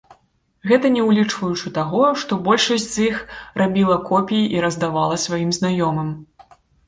Гэта не ўлічваючы таго, што большасць з іх рабіла копіі і раздавала сваім знаёмым.